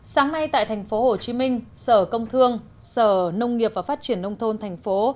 sáng nay tại thành phố hồ chí minh sở công thương sở nông nghiệp và phát triển nông thôn thành phố